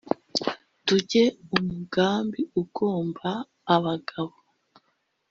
Tujye umugambi ugomba abagabo